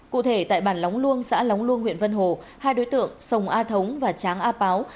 cụ thể tại bản lóng luông xã lóng luông huyện vân hồ hai đối tượng sông a thống và tráng a páo